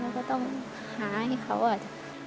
เราก็ต้องหาให้เขาอาจจะ